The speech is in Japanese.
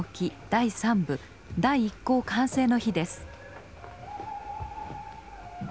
第３部第１稿完成の日です。